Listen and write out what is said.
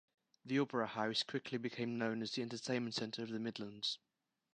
The Opera House quickly became known as "the entertainment center of the Midlands".